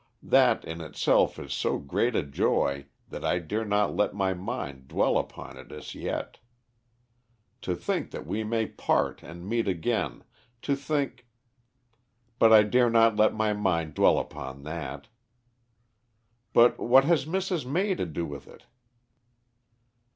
That in itself is so great a joy that I dare not let my mind dwell upon it as yet. To think that we may part and meet again, to think But I dare not let my mind dwell upon that. But what has Mrs. May to do with it?"